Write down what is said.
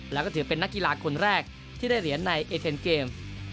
แล้วก็ถือเป็นนักกีฬาคนแรกที่ได้เหรียญในเอเทนเกม